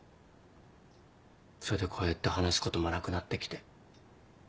それでこうやって話すこともなくなってきて。